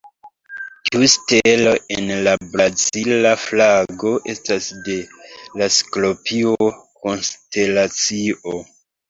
Tiu stelo en la Brazila flago estas de la Skorpio konstelacio.